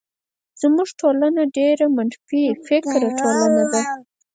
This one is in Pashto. زمونږ ټولنه ډيره منفی فکره ټولنه ده.